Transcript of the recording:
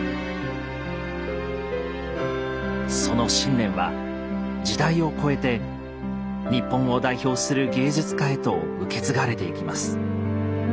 その信念は時代を超えて日本を代表する芸術家へと受け継がれていきます。